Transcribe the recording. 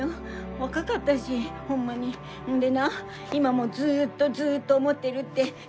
若かったしホンマにんでな今もずっとずっと思ってるって言うてたんやから！